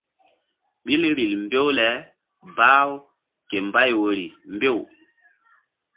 Ɓil vbil mbew le bah-u ke mbay woyri mbew.